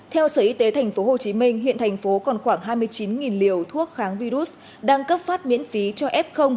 theo sở y tế tp hcm hiện thành phố còn khoảng hai mươi chín liều thuốc kháng virus đang cấp phát miễn phí cho f